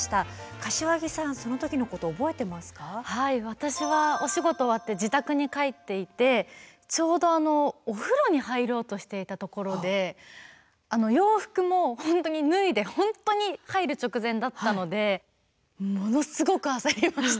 私はお仕事終わって自宅に帰っていてちょうどお風呂に入ろうとしていたところで洋服も本当に脱いで本当に入る直前だったのでものすごく焦りました。